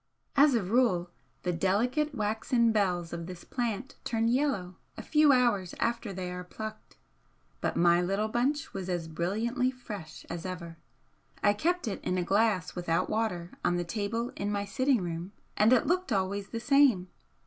As a rule the delicate waxen bells of this plant turn yellow a few hours after they are plucked, but my little bunch was as brilliantly fresh as ever. I kept it in a glass without water on the table in my sitting room and it looked always the same.